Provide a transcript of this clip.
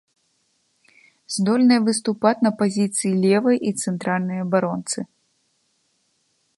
Здольная выступаць на пазіцыі левай і цэнтральнай абаронцы.